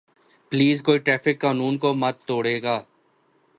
please کوئی traffic قانون کو مت توڑئے گا